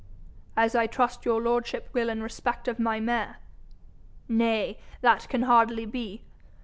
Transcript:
'As I trust your lordship will in respect of my mare.' 'Nay, that can hardly be.